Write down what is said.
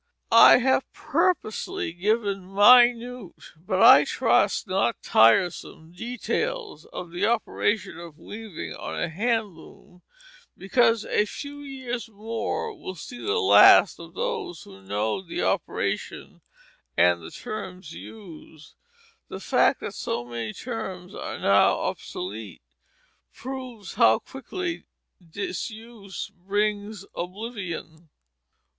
I have purposely given minute, but I trust not tiresome, details of the operation of weaving on a hand loom, because a few years more will see the last of those who know the operation and the terms used. The fact that so many terms are now obsolete proves how quickly disuse brings oblivion.